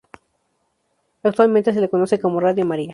Actualmente se le conoce como Radio María.